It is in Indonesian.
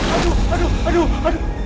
aduh aduh aduh